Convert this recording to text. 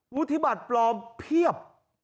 วุฒิบัตรปลอมเพียบ